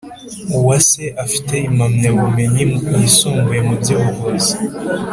Uwase afite impamya bumenyi yisumbuye mu by’ubuvuzi